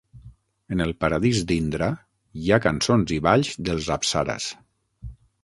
En el paradís d'Indra hi ha cançons i balls dels apsaras.